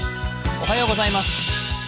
おはようございます。